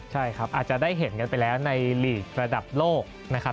ใช่ครับอาจจะได้เห็นกันไปแล้วในลีกระดับโลกนะครับ